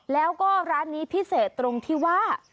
แล้วก็ร้านนี้พิเศษตรงที่ว่า